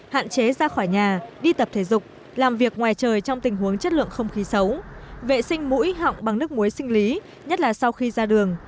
hạn chế ra khỏi nhà đi tập thể dục làm việc ngoài trời trong tình huống chất lượng không khí xấu vệ sinh mũi họng bằng nước muối sinh lý nhất là sau khi ra đường